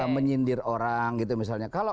menyindir orang gitu misalnya